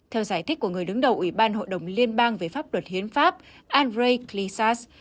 theo giải thích của người đứng đầu ủy ban hội đồng liên bang về pháp luật hiến pháp andrei cley sas